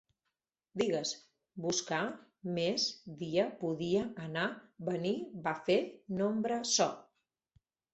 Digues: buscar, més, dia, podia, anar, venir, va fer, nombre, so